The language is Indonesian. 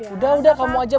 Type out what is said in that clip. udah udah kamu aja